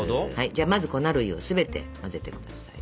じゃあまず粉類を全て混ぜて下さい。